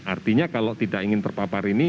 artinya kalau tidak ingin terpapar ini